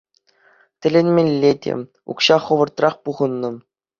Тӗлӗнмелле те, укҫа хӑвӑртах пухӑннӑ.